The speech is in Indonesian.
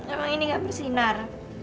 emang ini gak bersinar